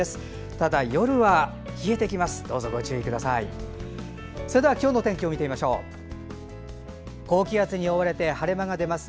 ただ、夜は冷えてきます。